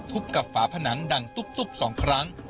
กับฝาผนังดังตุ๊บสองครั้ง